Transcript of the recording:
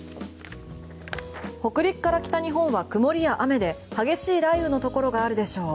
北陸から北日本は曇りや雨で激しい雷雨のところがあるでしょう。